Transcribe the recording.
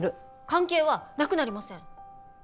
関係はなくなりません！